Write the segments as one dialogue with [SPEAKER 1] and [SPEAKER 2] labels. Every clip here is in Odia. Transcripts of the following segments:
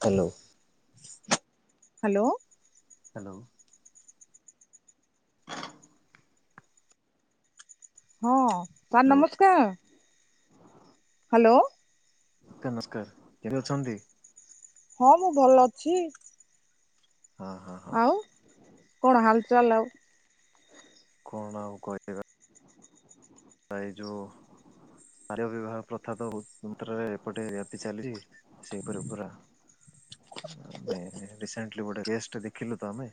[SPEAKER 1] ହ୍ୟାଲୋ।
[SPEAKER 2] ହ୍ୟାଲୋ।
[SPEAKER 1] ହ୍ୟାଲୋ।
[SPEAKER 2] ହଁ ସାର୍
[SPEAKER 1] ହ୍ୟାଲୋ
[SPEAKER 2] ନମସ୍କାର। ହ୍ୟାଲୋ।
[SPEAKER 1] ନମସ୍କାର କେମିତି ଅଛନ୍ତି?
[SPEAKER 2] ହଁ ମୁଁ ଭଲ ଅଛି।
[SPEAKER 1] ହଁ ହଁ ହଁ
[SPEAKER 2] ଆଉ କଣ ହାଲଚାଲ ଆଉ?
[SPEAKER 1] କଣ ଆଉ କହିିବା? ଆାଇ ଯ ଆର୍ଯ୍ୟ ବିବାହ ପ୍ରଥା ତହୁ ମନ୍ତ୍ରରେ ଏପଟେ ବ୍ୟାପି ଚାଲିଛି। ସେ ପବ କରିବା ଆମେ ରିସେଣ୍ଟଲି ଗୋଟେ କେସ ଟେ ଦେଖିଲୁ ତ ଆମେ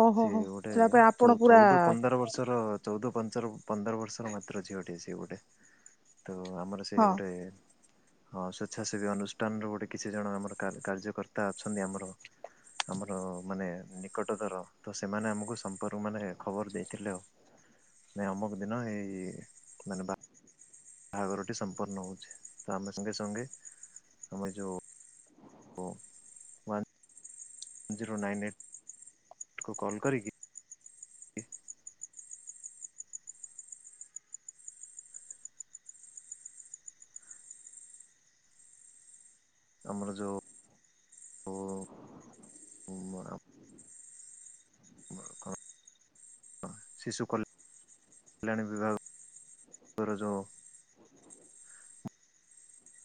[SPEAKER 2] ଓହୋ
[SPEAKER 1] ସେ
[SPEAKER 2] ହୋ
[SPEAKER 1] ଗୋଟେ
[SPEAKER 2] ସେଟା ପାଇଁ ଆପଣ ପୁରା
[SPEAKER 1] ଚ-ଚ-ଚଉଦ ପନ୍ଦର ବର୍ଷର ଚଉଦ ପନ୍ଦ ପ ପନ୍ଦର ବର୍ଷର ମାତ୍ର ଝିଅଟେ ସେ ଗୋଟେ ତ ଆମର ସେ
[SPEAKER 2] ହଁ
[SPEAKER 1] ଗୋଟେ। ହଁ ସ୍ଵେଚ୍ଛାସେବୀ ଅନୁଷ୍ଠାନର ଗୋଟେ କିଛି ଜଣ ଆମର କା କାର୍ଯ୍ୟକର୍ତ୍ତା ଅଛନ୍ତି ଆମର। ଆମର ମାନେ ନିକଟତର। ତ ସେମାନେ ଆମକୁ ସମ୍ପର୍କ ମାନେ ଖବର ଦେଇଥିଲେ ଆଉ। ମାନେ ଅମକ ଦିନ ଏଇ ମାନେ ବା ବାହାଘରଟି ସମ୍ପନ୍ନ ହଉଛି ତ ଆମେ ସଙ୍ଗେ ସଙ୍ଗେ ଆମେ ଯୋଉ। [unintelligible] ଜିରୋ ନାଇନ୍ ଏଇଟକୁ କଲ୍ କରିକି। ଆମର ଯଉ ଉ ଆ ଶିଶୁ କଲ କଲ୍ୟାଣ ବିଭାଗର ଯୋଉଁ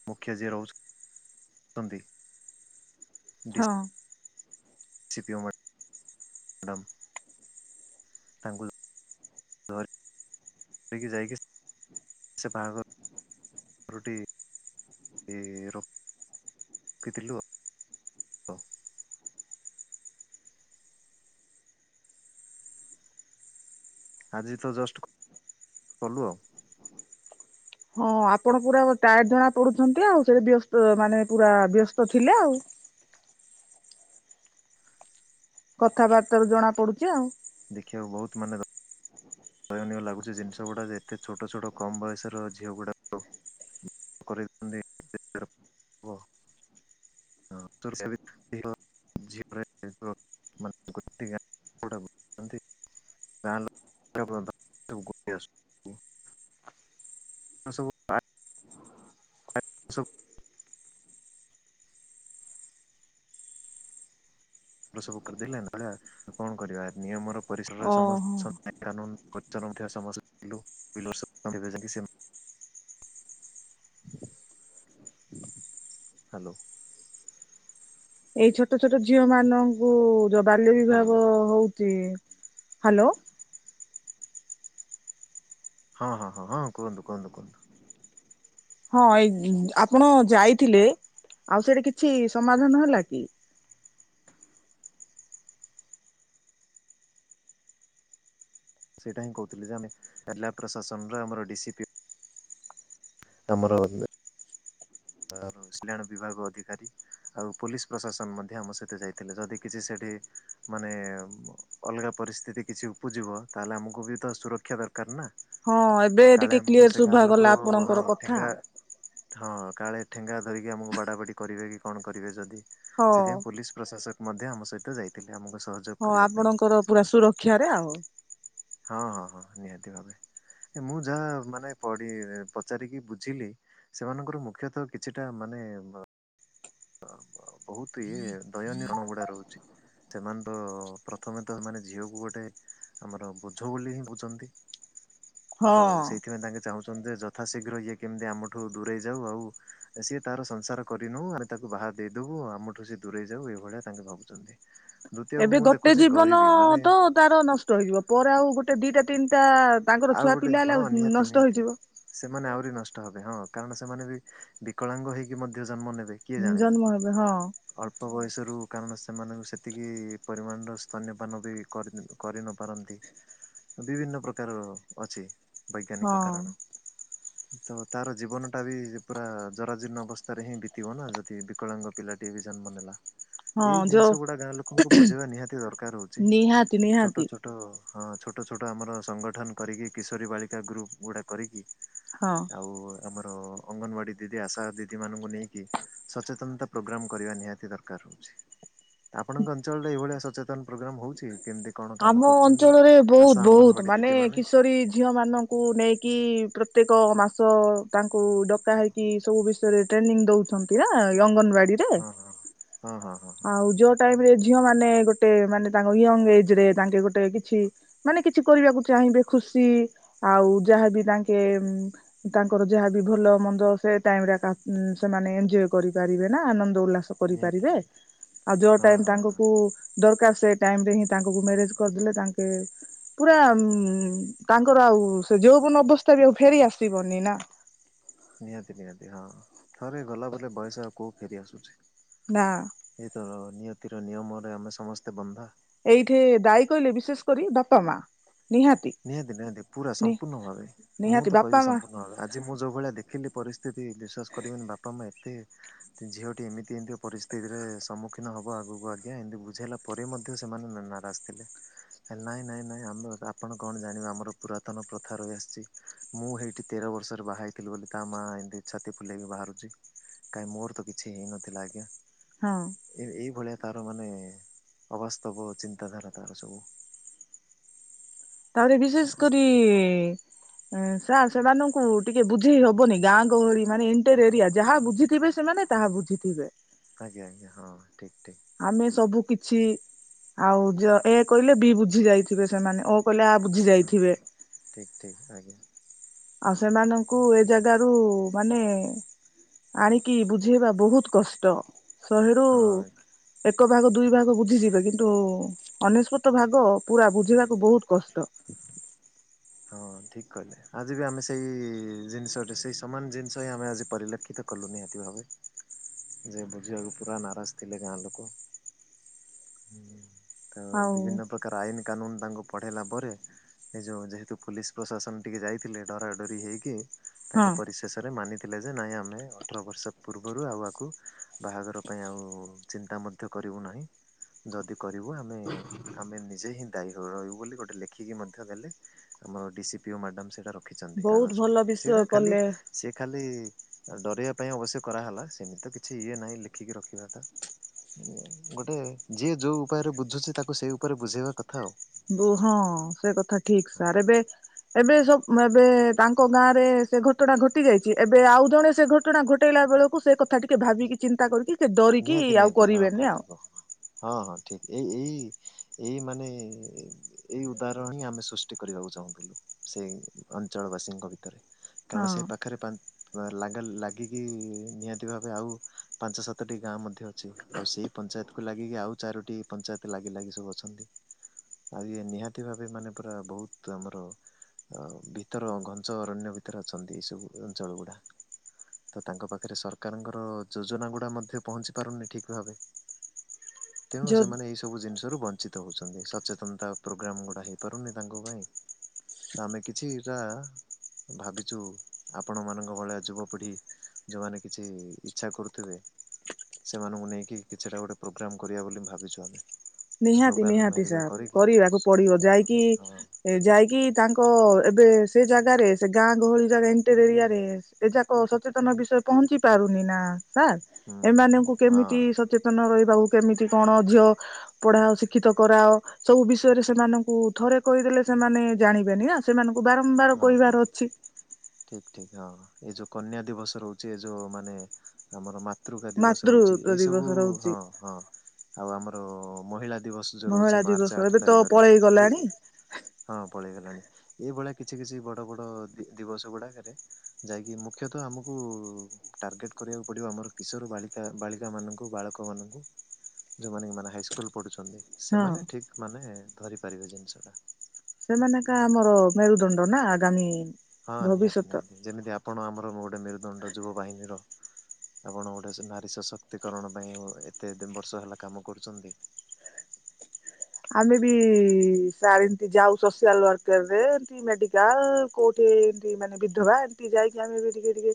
[SPEAKER 1] ମୁଖ୍ୟ ଯିଏ ରହୁଛନ୍ତି।
[SPEAKER 2] ହଁ।
[SPEAKER 1] C P O madam. ତାଙ୍କୁ ଧ ଧରିକି ଯାଇକି ସେ ବାହାଘର ର ଟି ଇ ର କି ଥିଲୁ ଆଉ। ଆଜି ତ ଜଷ୍ଟ କଲୁ ଆଉ।
[SPEAKER 2] ହଁ ଆପଣ ପୁରା ବ ଟାଏଡ ଜଣାପଡୁଛନ୍ତି ଆଉ ସେ ବ୍ୟସ୍ତ ମାନେ ପୁରା ବ୍ୟସ୍ତ ଥିଲେ ଆଉ। କଥାବାର୍ତ୍ତା ରୁ ଜଣା ପଡୁଚି ଆଉ।
[SPEAKER 1] ଦେଖିବାକୁ ବହୁତ ମାନେ ଦ ଦୟନୀୟ ଲାଗୁଛି ଜିନିଷ ଗୁଡ଼ା ଯେ ଏତେ ଛୋଟ ଛୋଟ କମ୍ ବୟସର ଝିଅ ଗୁଡ଼ାକ। କରି ଦି ନ୍ତି ବ।
[SPEAKER 2] [unintelligible]
[SPEAKER 1] ହଁ [unintelligible] ଝିଅ ରେ ମାନେ କହନ୍ତି ତା ନ କରିବା ପର୍ଯ୍ୟନ୍ତ [unintelligible] ସବୁ ଆ ଆ ସବୁ। ସବୁ କରିଦେଲେ ନା କଣ କରିବା ନିୟମର ପରିସରରେ ସମ
[SPEAKER 2] ଓହୋ
[SPEAKER 1] ଅଛ କାନୁନ ପରି ସମ ଲୁ ସେ। [inaudible] ହାଲୋ।
[SPEAKER 2] ଏଇ ଛୋଟ ଛୋଟ ଝିଅ ମାନଙ୍କୁ ଯୋଉ ବାଲ୍ୟ
[SPEAKER 1] ହ୍ୟାଲୋ
[SPEAKER 2] ବିିବାହ ହଉ ଚି ହାଲୋ।
[SPEAKER 1] ହଁ ହଁ ହଁ ହଁ କୁହନ୍ତୁ କୁହନ୍ତୁ କୁହନ୍ତୁ।
[SPEAKER 2] ହଁ ଏଇ ଆପଣ ଯାଇଥିଲେ। ଆଉ ସେଇଟା କିଛି ସମାଧାନ ହେଲା କି?
[SPEAKER 1] ସେଇଟା ହିଁ କହୁଥିଲି ଯେ ଆମେ ଜିଲ୍ଲା ପ୍ରଶାସନର ଆମର ଡି ସି ପ୍ଲିନ ଆମର ବ ସଲ୍ୟାଣ ବିଭାଗ ଅଧିକାରୀ। ଆଉ ପୋଲିସ ପ୍ରଶାସନ ମଧ୍ୟ ଆମ ସହିତ ଯାଇଥିଲେ ଯଦି କିଛି ସେଠି ମାନେ ବ ଅଲଗା ପ ପରିସ୍ଥିତି କିଛି ଉପୁଜିବ ତାହେଲେ ଆମକୁ ବି ତ ସୁରକ୍ଷା ଦରକାର ନା।
[SPEAKER 2] ହଁ ଏବେ
[SPEAKER 1] କାଳେ
[SPEAKER 2] ଟିକେ
[SPEAKER 1] ଆମକୁ
[SPEAKER 2] କ୍ଲିୟର
[SPEAKER 1] ସେ ଗାଁ ଲୋକ
[SPEAKER 2] ଶୁଭାଗଲା
[SPEAKER 1] ହଁ
[SPEAKER 2] ଆପଣଙ୍କର କଥା।
[SPEAKER 1] ଠେଙ୍ଗା ହଁ କାଳେ ଠେଙ୍ଗା ଧରିକି ଆମକୁ ବାଡ଼ାବାଡ଼ି କରିବେ କି କଣ କରିବେ ଯଦି
[SPEAKER 2] ହଁ
[SPEAKER 1] ସେଥିପାଇଁ ପୋଲିସ ପ୍ରଶାସ ମଧ୍ୟ ଆମ ସହିତ ଯାଇଥିଲେ। ଆମକୁ ସହଯୋଗ
[SPEAKER 2] ହଁ
[SPEAKER 1] କରିବା ପାଇଁ।
[SPEAKER 2] ଆପଣଙ୍କର ପୁରା ସୁରକ୍ଷାରେ ଆଉ।
[SPEAKER 1] ହଁ ହଁ ହଁ ନିହାତି ଭାବେ। ମୁଁ ଯାହା ମାନେ ପଢି ପଚାରିକି ବୁଝିଲି ସେମାନଙ୍କର ମୁଖ୍ୟତଃ କିଛିଟା ମା
[SPEAKER 2] [unintelligible]
[SPEAKER 1] ବହୁତ ଇଏ ଦୟନୀୟ କାମ ଗୁଡା ରହୁଛି। ସେମାନେ ତ ପ୍ରଥମେ ତ ମାନେ ଝିଅକୁ ଗୋଟେ ଆମର ବୋଝ ବୋଲି ବୁଝନ୍ତି
[SPEAKER 2] ହଁ
[SPEAKER 1] ତ ସେଇଥିପାଇଁ ତାଙ୍କେ ଚାହୁଁ ଚନ୍ତି ଯେ ଯଥାଶୀଘ୍ର ଇଏ କେମିତି ଆମଠୁ ଦୂରେଇ ଯାଉ ଆଉ ସିଏ ତାର ସଂସାର କରିନୋଉ। ତାକୁ ବାହା ଦେଇଦବୁ ଆମଠୁ ସେ ଦୂରେଇ ଯାଉ ଏଇଭଳିଆ ତାଙ୍କେ ଭାବୁଛନ୍ତି? ଦ୍ଵିତୀୟ
[SPEAKER 2] ଏବେ
[SPEAKER 1] ମୁଁ
[SPEAKER 2] ଗୋଟେ
[SPEAKER 1] ଦେଖୁଛି
[SPEAKER 2] ଜୀବନ
[SPEAKER 1] ଗରିବି ମାନେ
[SPEAKER 2] ତ ତାର ନଷ୍ଟ ହେଇଯିବ ପରେ ଆଉ ଗୋଟେ ଦିଟା ତିନିଟା। ତାଙ୍କର
[SPEAKER 1] ଆଉ
[SPEAKER 2] ଛୁଆ
[SPEAKER 1] ଗୋଟେ
[SPEAKER 2] ପିଲା ହେଲେ
[SPEAKER 1] ହଁ
[SPEAKER 2] ଆଉ
[SPEAKER 1] ନିହାତି
[SPEAKER 2] ନଷ୍ଟ
[SPEAKER 1] ନିହାତି
[SPEAKER 2] ହେଇଯିବ
[SPEAKER 1] ସେମାନେ ଆହୁରି ନ ହଁ କାରଣ ସେମାନେ ବି ବିକଳାଙ୍ଗ ହେଇକି ମଧ୍ୟ ଜନ୍ମ ନେବେ। କିଏ ଜାଣିଲା।
[SPEAKER 2] ଜନ୍ମ ହେବେ ହଁ।
[SPEAKER 1] ଅଳ୍ପ ବୟସରୁ କାରଣ ସେମାନଙ୍କୁ ସେତିକି ପରିମାଣର ସ୍ତନ୍ୟ ପାନ ବି କରିନ ପାରନ୍ତି। ବିଭିନ୍ନ ପ୍ରକାର ଅଛି
[SPEAKER 2] ହଁ
[SPEAKER 1] ବୈଜ୍ଞାନିକ କାରଣ। ତ ତାର ଜୀବନ ଟା ବି ପୁରା ଜରଜୀର୍ଣ୍ଣ ଅବସ୍ଥାରେ ହିଁ ବିତିବ ନା ଯଦି ବିକଳାଙ୍ଗ ପିଲାଟି ବି ଜନ୍ମ ନେଲା
[SPEAKER 2] ହଁ
[SPEAKER 1] ଏଇ
[SPEAKER 2] ଯୋଉ
[SPEAKER 1] ଜିନିଷ ଗୁଡା ଗାଁ ଲୋକଙ୍କୁ ବୁଝେଇବା ନିହାତି ଦରକାର ହଉଛି।
[SPEAKER 2] ନିହାତି
[SPEAKER 1] ଛୋଟ
[SPEAKER 2] ନିହାତି
[SPEAKER 1] ଛୋଟ ହଁ। ଛୋଟ ଛୋଟ ଆମର ସଂଗଠନ କରିକି କିଶୋରୀ ବାଳିକା ଗ୍ରୁପ୍ ଗୁଡ଼ା କରିକି।
[SPEAKER 2] ହଁ
[SPEAKER 1] ଆଉ ଆମର
[SPEAKER 2] [inaudible]
[SPEAKER 1] ଅଙ୍ଗନବାଡି ଦିଦି ଆଶା ଦିଦି ମାନଙ୍କୁ ନେଇକି ସଚେତନତା ପ୍ରୋଗ୍ରାମ କରିବା ନିହାତି ଦରକାର ହଉଚି। ଆପଣଙ୍କ ଅଞ୍ଚଳରେ ଏଇଭଳିଆ ସଚେତନ ପ୍ରୋଗ୍ରାମ ହଉଚି? କେମିତି କଣ କାମ କରୁଚନ୍ତି ଆଶା ଅଙ୍ଗନବାଡି ଦିଦି?
[SPEAKER 2] ଏ
[SPEAKER 1] ମାନେ
[SPEAKER 2] କିଶୋରୀ ଝିଅ ମାନଙ୍କୁ ନେଇକି ପ୍ରତ୍ୟେକ ମାସ ସ ତାଙ୍କୁ ଡକା ହେଇକି ସବୁ ବିଷୟରେ ଟ୍ରେନିଂ ଦଉଚନ୍ତି ନା ଅଙ୍ଗନବାଡି
[SPEAKER 1] ହଁ ହଁ ହଁ ହଁ। ହଁ
[SPEAKER 2] ଆଉ ଯୋଉ ଟାଇମ୍ ରେ ଝିଅ ମାନେ ଗୋଟେ ମାନେ ତାଙ୍କ ୟଙ୍ଗ ଏଜ୍ ରେ ତାଙ୍କେ ଗୋଟେ କିଛି ମାନେ କିଛି କରିବାକୁ ଚାହିଁବେ ଖୁସ ସି ଆଉ ଯାହାବି ତାଙ୍କେ ତାଙ୍କର ଯାହାବି ଭଲ ମନ୍ଦ ସେ ଟାଇମ୍ ରେ କା ସେମାନେ ଏଞଜୟ କରିପାରିବେ ନା ଆନନ୍ଦ୍ ଦ ଉଲ୍ଲାସ
[SPEAKER 1] ନିହାତି
[SPEAKER 2] କରିପାରିବେ।
[SPEAKER 1] ନିହାତି
[SPEAKER 2] ଆଉ ଯଉ
[SPEAKER 1] ହଁ
[SPEAKER 2] ଟାଇମ୍
[SPEAKER 1] ହଁ
[SPEAKER 2] ତାଙ୍କ
[SPEAKER 1] ହଁ
[SPEAKER 2] କୁ ଦରକାର ସେ ଟାଇମ ରେ ହିଁ ତାଙ୍କ କୁ ମ୍ୟାରେଜ କରିଦେଲେ ତାଙ୍କେ ପୁରା ଉ ତାଙ୍କର ଆଉ ସେ ଯୋଉବନ ଅବସ୍ଥା ବି ଆଉ ଫେରି ଆସିବନି ନା। [inaudible]
[SPEAKER 1] ନିହାତି ନିହାତି ହଁ ଥରେ ଗଲା ବୋଲେ ବୟସ ଆଉ କୋଉ ଫେରି ଆସୁଛି।
[SPEAKER 2] ନା
[SPEAKER 1] ଏ ତ ନିୟତିର ନିୟମରେ ଆମେ ସମସ୍ତେ ବନ୍ଧା।
[SPEAKER 2] ଏଇଠି ଦାଇ କହିଲେ ବିଶେଷ କରି ବାପା ମା।
[SPEAKER 1] ନିହାତି ନିହାତି ପୁରା ସମ୍ପୂର୍ଣ୍ଣ ଭାବେ। ମୁଁ
[SPEAKER 2] ନିହାତି
[SPEAKER 1] ତ
[SPEAKER 2] ବାପା
[SPEAKER 1] କହିବି
[SPEAKER 2] ମା
[SPEAKER 1] ସମ୍ପୂର୍ଣ୍ଣ ଭାବେ ଆଜି ମୁଁ ଯୋଉ ଭଳିଆ ଦେଖିଲି ପରିସ୍ଥି ଯଦି ବିଶ୍ୱାସ କରିବେନି ବାପା ମା ଏ ତେ ଝିଅଟି ଏମିତି ଏମିତି ପରିସ୍ଥିତିରେ ସମ୍ମୁଖୀନ ହବ ଆଗକୁ ଆଜ୍ଞା ଏମିତି ବୁଝାଇଲା ପରେ ମଧ୍ ଧ୍ୟ ସେମାନେ ନାରାଜ ଥିଲେ, ନାଇଁ ନାଇଁ ନାଇଁ ଆମେ ଆ ଆପଣ କଣ ଜାଣିବାେ ଆମର ପୁରାତନ ପ୍ରଥା ରହିଆସିଚି, ମୁଁ ହେଇଠି ତେର ବର୍ଷରୁ ବାହା ହେଇଥିଲି ବୋଲି ତା ମା ଏମିତି ଛାତି ଫୁଲେଇକ ବାହାରୁଚି, କାଇହିଁ ମୋର ତ କିଛି ହେଇନଥିଲା ଆଜ୍ଞା।
[SPEAKER 2] ହଁ
[SPEAKER 1] ଏ ଏଇ ଭଳିଆ ତାର ମାନେ ଅବସ୍ତବ ଚିନ୍ତାଧାରା ତାର ସବୁ।
[SPEAKER 2] ତାପରେ ବିଶେଷ କରି ସାର୍ ସେମାନଙ୍କୁ ଟିକେ ବୁଝେଇ ହବନି, ଗାଁ ଗହଳି ମାନେ ଇଣ୍ଟର ଏରିଆ ଯାହା ବୁଝିଥିବେ ସେ ମାନେ ତାହା ବୁଝିଥୀବେ।
[SPEAKER 1] ଆଜ୍ଞା ଆଜ୍ଞା ହଁ। ଠିକ୍ ଠିକ୍
[SPEAKER 2] ଆମେ ସବୁ କିଛି ଆଉ ଯ ଏ କହିଲେ ବି ବୁଝି ଯାଇଥିବେ ସେମାନେ ଅ କହିଲେ ଆ ବୁଝି ଯାଇଥିବେ।
[SPEAKER 1] ଠିକ ଠିକ ଆଜ୍ଞା।
[SPEAKER 2] ଆଉ ସେମାନଙ୍କୁ ଏ
[SPEAKER 1] କି
[SPEAKER 2] ଜାଗାରୁ ମାନେ ଆଣିକି ବୁଝେଇବା ବହୁତ କଷ୍ଟ। ଶହେରୁ
[SPEAKER 1] ହଁ।
[SPEAKER 2] ଏ ଏକ ଭାଗ ଦୁଇ ଭାଗ ବୁଝିଯିବେ କିନ୍ତୁ ଅନେଶ୍ୱତ ଭାଗ ପୁରା ବୁଝିବାକୁ ବହୁତ କଷ୍ଟ। ଷ୍ଟ।
[SPEAKER 1] ହଁ ଠିକ କହିଲେ ଆଜି ବି ଆମେ ସେଇ ଜିନିଷଟି ସେଇ ସମାନ ଜିନିଷ ହିଁ ଆମେ ଆଜି ପରିଲକ୍ଷିତ କଲୁ ନିହାତି ଭାବେ ଯେ ବୁଝିବାକୁ ପୁରା ନାରାଜ ଥିଲେ ଗାଁ ଲୋକ।
[SPEAKER 2] [inaudible]
[SPEAKER 1] ତ ବିଭିନ୍ନ ପ୍ରକାର ଆଇନ କାନୁନ ତାଙ୍କୁ ପଢେଇଲା ପରେ ଏଇ ଯୋଉ ଯେହେତୁ ପୋଲିସ୍ ପ୍ରଶାସନ ଟିକେ ଯାଇଥିଲେ ଡରା ଡରି ହେଇକି
[SPEAKER 2] ହଁ
[SPEAKER 1] ତାଙ୍କ ପରିଶେଷରେ ମାନି ଥିଲେ ଯେ ନାଇଁ ଆମେ ଅଠର ବର୍ଷ ପୂର୍ବରୁ ଆଉ ଆକୁ ବାହାଘର ପାଇଁ ଆଉ ଚିନ୍ତା ମଧ୍ୟ କ କରିବୁ ନାହିଁ। ଯଦି କରିବୁ ଆମେ ଆମେ ନିଜେ ହିଁ ଦାୟୀ ହ ରହିବୁ ବୋଲି ଗୋଟେ ଲେଖିକି ମଧ୍ୟ ଦେଲେ। ଆମର ଡିସି ପିଓ ମ୍ୟାଡାମ ସେଇଟା ରଖିଛନ୍ତି
[SPEAKER 2] ବହୁତ
[SPEAKER 1] କାଗଜଟି,
[SPEAKER 2] ଭଲ
[SPEAKER 1] ସେଇଟା
[SPEAKER 2] ବିଷୟ
[SPEAKER 1] ଖାଲି
[SPEAKER 2] କଲେ
[SPEAKER 1] ସେି ଖାଲି ଡରେଇବା ପାଇଁ ଅବଶ୍ୟ କରାହେଲା ସେମିତିତ କିଛି ଇଏ ନାହିଁ ଲେଖିକି ରଖିବାଟା। ଗୋଟେ ଯିଏ ଯୋଉ ଉପାୟରେ ବୁଝୁଚି, ତାକୁ ସେଇ ଉପାୟରେ ବୁଝେଇବା କଥା ଆଉ।
[SPEAKER 2] କୁ ହଁ ସେ କଥା ଠିକ ସାର୍ ଏବେ ଏବେ ସବ ଏବେ ତାଙ୍କ ଗାଁରେ ସେ ଘଟଣା ଘଟି ଯାଇଚି, ଏବେ ଆଉ ଜଣେ ସେ ଘଟଣା ଘଟେଇଲା। ବେଳକୁ ସେ କଥା ଟିକେ ଭାବିକି ଚିନ୍ତା କରିକି ସେ ଡରିକି
[SPEAKER 1] ନିହାତି
[SPEAKER 2] ଆଉ
[SPEAKER 1] ନିହାତି ହଁ
[SPEAKER 2] କରିବେନି ଆଉ
[SPEAKER 1] ଭାବିବ ହଁ ହଁ ଠିକ୍। ଏଇ ଏଇ ଏଇ ମାନେ ଏଇ ଉଦାହରଣ ହିଁ ଆମେ ସୃଷ୍ଟି କରିବାକୁ ଚାହୁଁଥିଲୁ। ସେ ଅଞ୍ଚଳ ବାସୀଙ୍କ ଭିତରେ।
[SPEAKER 2] ହଁ
[SPEAKER 1] କାରଣ ସେଇ ପାଖରେ ଲାଗିକି ନିହାତି ଭାବେ ଆଉ ପାଞ୍ଚ ସାତ - ସାତଟି ଗାଁ ମଧ୍ୟ ଅଛି ଆଉ ସେଇ ପଞ୍ଚାୟତକୁୁ ଲାଗିକି ଆଉ ଚାରୋଟି ପଞ୍ଚାୟତ ଲାଗି ଲାଗି ସବୁ ଅଛନ୍ତି। ଆଉ ଇଏ ନିହାତି ଭାବେ ମାନେ ପୁରା ବହୁତ ଆମର। ଅ ଭିତର ଘଞ୍ଚ ଅରଣ୍ୟ ଭିତରେ ଅଛନ୍ତି ଏ ସବୁ ଅଞ୍ଚଳ ଗୁଡା। ତାଙ୍କ ପାଖରେ ସରକାରଙ୍କର ଯୋଜନା ଗୁଡା ମଧ୍ୟ। ପହଞ୍ଚି ପାରୁନି ଠିକ ଭାବେ ତେଣୁ
[SPEAKER 2] ଯ
[SPEAKER 1] ସେମାନେ ଏଇ ସବୁ ଜିନିଷରୁ ବଞ୍ଚି - ବଞ୍ଚିତ ହଉଛନ୍ତି ସଚେତନତା ପ୍ରୋଗ୍ରାମ ଗୁଡା ହେଇପାରୁନି ତାଙ୍କ ପାଇଁ। ତ ଆମେ କିଛିଟା ଭାବିଛୁ ଆପଣ ମାନଙ୍କ ଭଳିଆ ଯୁବପିଢି। ଯୋଉମାନେ କିଛି ଇଚ୍ଛା କରୁଥିବେ। ସେମାନଙ୍କୁ ନେଇକି କିଛିଟା ଗୋଟେ ପ୍ରୋଗ୍ରାମ କରିବା ବୋଲି ଭାବିଛୁ ଆମେ।
[SPEAKER 2] ନିହାତି
[SPEAKER 1] ସ୍ଲୋଗାନ
[SPEAKER 2] ନିହାତି
[SPEAKER 1] ହେରିକା
[SPEAKER 2] ସାର୍
[SPEAKER 1] କରିକି
[SPEAKER 2] କରିବାକୁ ପଡିବ
[SPEAKER 1] ହଁ
[SPEAKER 2] ଯାଇକି
[SPEAKER 1] ହଁ
[SPEAKER 2] ଯାଇକି ତାଙ୍କ ଏବେ। ସେ ଜାଗାରେ ସେ ଗାଁ ଗହଳି ଜାଗା ଇଣ୍ଟର ଏରିଆରେ ଏଯାକ ସଚେତନ ବିଷୟ ପହଞ୍ଚି ପାରୁନି ନା। ସାର୍
[SPEAKER 1] ହୁଁ ହୁଁ ହୁଁ
[SPEAKER 2] ଏମାନଙ୍କୁ
[SPEAKER 1] ହଁ
[SPEAKER 2] କେମିତି ସଚେତନ ରହିବାକୁ କେମିତି କଣ ଝିଅ- ପଢାଅ ଶିକ୍ଷିତ କରାଅ ସବୁ ବିଷୟରେ ସେମାନଙ୍କୁ ଥରେ କହିଦେଲେ ସେମାନେ ଜାଣିବେନି ନା ସେମାନଙ୍କୁ। ବାରମ୍ବାର
[SPEAKER 1] ହଁ ହଁ
[SPEAKER 2] କହିବାର ଅଛି।
[SPEAKER 1] ଠିକ୍ ଠିକ୍ ହଁ ଏ ଯୋଉ କନ୍ୟା ଦିବସ ରହୁଛି ଏ ଯୋଉ ମାନେ ଆମର। ପିତୃକା ଦିବସ ରହୁଛି
[SPEAKER 2] ମାତୃତ୍ୱ
[SPEAKER 1] ଏଇ ସବୁ
[SPEAKER 2] ଦିବସ ରହୁଛି
[SPEAKER 1] ହଁ ହଁ ଆଉ ଆମର ମହିଳା। ଯୋଉ ରହୁଛି
[SPEAKER 2] ମହିଳା
[SPEAKER 1] ମାର୍ଚ୍ଚ
[SPEAKER 2] ଦିବସ
[SPEAKER 1] ଆଠ
[SPEAKER 2] ଏବେ ତ
[SPEAKER 1] ତାରିଖରେ
[SPEAKER 2] ପଳେଇ ଗଲାଣି
[SPEAKER 1] ହ ପଳେଇଗଲାଣି ଏ ଭଳିଆ। କିଛି କିଛି ବଡ ବଡ଼ ଦିବସ ଗୁଡାକରେ ଯାଇକି ମୁଖ୍ୟତଃ ଆମକୁ ଟାର୍ଗେଟ। କରିବାକୁ ପଡିବ ଆମର କିଶୋର ବାଳିକା ବାଳିକା ମାନଙ୍କୁ ବାଳକ ମାନଙ୍କୁ। ଯୋଉମାନେ ମାନେ ହାଇସ୍କୁଲ ପଢୁଛନ୍ତି
[SPEAKER 2] ହଁ
[SPEAKER 1] ସେମାନେ ଠିକ ମାନେ ଧରି ପାରିବେ ଜିନିଷ ଟା।
[SPEAKER 2] ସେମାନେ କା ଆମର ମେରୁଦଣ୍ଡ ନା ଆଗାମୀ-
[SPEAKER 1] ହଁ ନିହାତି
[SPEAKER 2] ଭବିଷ୍ୟତ
[SPEAKER 1] ନିହାତି ଯେମିତି ଆପଣ ଆମର ଗୋଟେ ମେରୁଦଣ୍ଡ ଯୁବ ବାହିନୀର- ଆପଣ ଗୋଟେ ନାରୀ ସଶକ୍ତିକରଣ ପାଇଁ ଏତେ ଏତେ ବର୍ଷ ହେଲା କାମ କରୁଛନ୍ତି।
[SPEAKER 2] [unintelligible] ଆମେ ବି ସ ଏମତି ଯାଉ ସୋସିଆଲ୍ ୱାର୍କର ରେ କି ମେଡିକାଲ କୋଉଠି। ଏମତି ମାନେ ବିଧବା ଏମତି ଯାଇକି ଆମେ ବି ଟିକେ ଟିକେ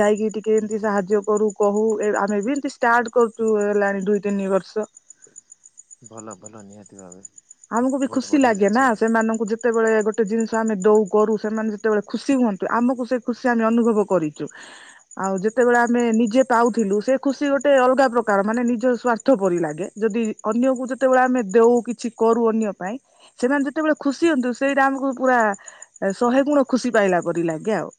[SPEAKER 2] ଯାଇକି ଟିକେ ଏମିତି ସାହାଯ୍ୟ କରୁ କହୁ। ଆମେ ବି ଏମତି ଷ୍ଟାର୍ଟ କରୁଛୁ ହେଲାଣି ଦୁଇ ତିନି ବର୍ଷ।
[SPEAKER 1] ଭଲ ଭଲ ନିହାତି ଭାବେ।
[SPEAKER 2] ଆମକୁ ବି
[SPEAKER 1] ବହୁତ
[SPEAKER 2] ଖୁସି
[SPEAKER 1] ବଢିଆ
[SPEAKER 2] ଲାଗେ
[SPEAKER 1] ଜିନିଷ
[SPEAKER 2] ନା
[SPEAKER 1] ଏଇଟା
[SPEAKER 2] ସେମାନଙ୍କୁ ଯେତେବେଳେ ଗୋଟେ ଜିନିଷ ଆମେ ଦଉ। କରୁ ସେମାନେ ଯେତେବେଳେ ଖୁସି ହୁଅନ୍ତୁ ଆମକୁ ସେ ଖୁସି ଆମେ ଅନୁଭବ କରିଛୁ ଆଉ ଯେତେବେଳେ ଆମେ ନିଜେ ପାଉଥିଲୁ ସେ ଖୁସି ଗୋଟେ ଅଲଗା ପ୍ରକାର ମାନେ ନିଜ ସ୍ୱାର୍ଥ ପରି ଲାଗେ ଯଦି ଅନ୍ୟକୁ ଯେ ପୁରା ଆମେ ଦେଉ କିଛି କରୁ ଅନ୍ୟ ପାଇଁ ସେମାନେ ଯେତେବେଳେ ଖୁସି ହୁଅନ୍ତୁ ସେଇଟା ଆମକୁ ପୁରା ଶହେ ଗୁଣ ଖୁସି ପାଇଲା ପରି ଲଗେ ଆଉ।